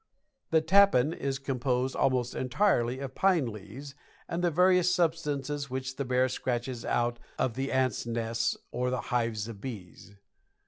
The "tappen" is composed almost entirely of pine leaves and the various substances which the bear scratches out of the ants' nests or the hives of bees.